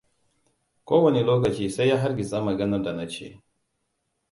Kowane lokaci sai ya hargitsa maganar da na ce.